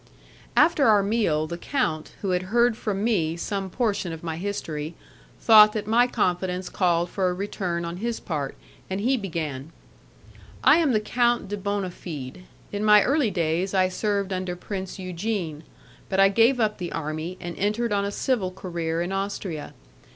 After our meal, the count, who had heard from me some portion of my history, thought that my confidence called for a return on his part, and he began: "I am the Count de Bonafede. In my early days I served under Prince Eugene, but I gave up the army, and entered on a civil career in Austria.